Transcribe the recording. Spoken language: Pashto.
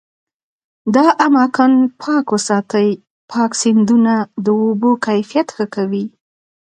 دا اماکن پاک وساتي، پاک سیندونه د اوبو کیفیت ښه کوي.